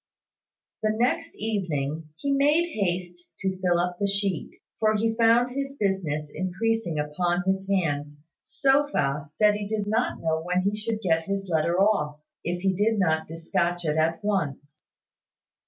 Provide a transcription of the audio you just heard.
The next evening he made haste to fill up the sheet, for he found his business increasing upon his hands so fast that he did not know when he should get his letter off, if he did not despatch it at once.